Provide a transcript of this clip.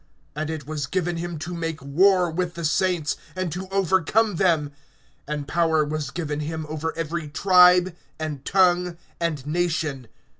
(7)And it was given him to make war with the saints, and to overcome them; and power was given him over every tribe, and tongue, and nation.